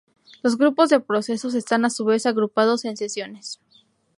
Los grupos de procesos están a su vez agrupados en sesiones.